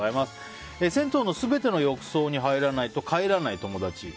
銭湯の全ての浴槽に入らないと帰らない友達。